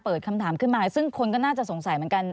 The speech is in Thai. คำถามขึ้นมาซึ่งคนก็น่าจะสงสัยเหมือนกัน